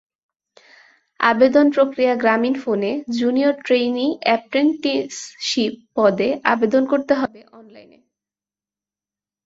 আবেদন প্রক্রিয়াগ্রামীণফোনে junior trainee apprenticeship পদে আবেদন করতে হবে অনলাইনে।